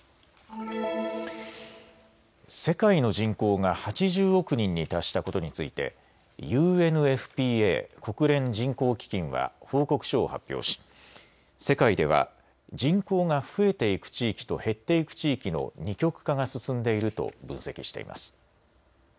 世界の人口が８０億人に達したことについてＵＮＦＰＡ・国連人口基金は報告書を発表し世界では人口が増えていく地域と減っていく地域の二極化が進んでいると分析しています。